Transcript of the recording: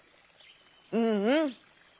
うんうん！